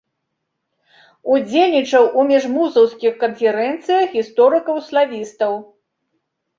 Удзельнічаў у міжвузаўскіх канферэнцыях гісторыкаў-славістаў.